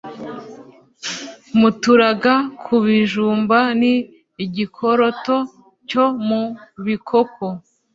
muturaga ku bijumba Ni igikoroto cyo mu bikoko